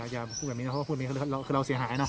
อย่าพูดแบบนี้นะเขาก็พูดแบบนี้คือเราเสียหายเนอ